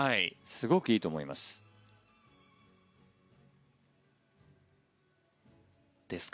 すごくいいと思います。